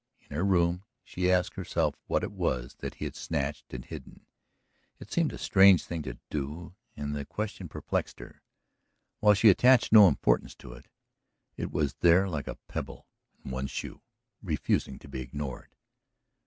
In her room she asked herself what it was that he had snatched and hidden. It seemed a strange thing to do and the question perplexed her; while she attached no importance to it, it was there like a pebble in one's shoe, refusing to be ignored.